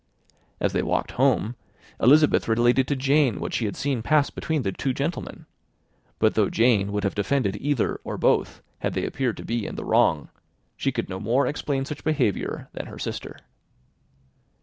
As they walked home, Elizabeth related to Jane what she had seen pass between the two gentlemen; but though Jane would have defended either or both, had they appeared to be wrong, she could no more explain such behaviour than her sister.